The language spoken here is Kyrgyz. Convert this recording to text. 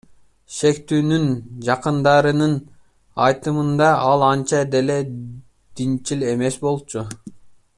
Шектүүнүн жакындарынын айтымында, ал анча деле динчил эмес болчу.